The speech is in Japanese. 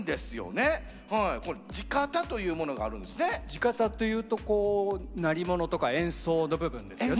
地方っていうとこう鳴り物とか演奏の部分ですよね。